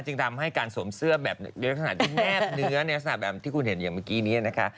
จึงทำให้การสวมเสื้อแบบในลักษณะที่แนบเนื้อในลักษณะแบบที่คุณเห็นอย่างเมื่อกี้นี้นะคะ